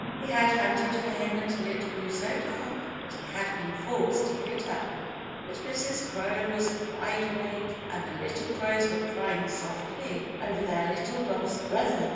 He had hunted for him until it grew so dark that he had been forced to give it up. But Mrs. Crow was wide awake and the little crows were crying softly over their little lost brother.